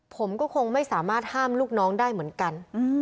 ผมก็คงไม่สามารถห้ามลูกน้องได้เหมือนกัน